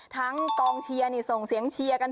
กองเชียร์ส่งเสียงเชียร์กัน